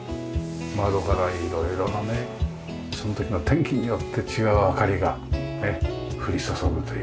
窓から色々なねその時の天気によって違う明かりが降り注ぐというような。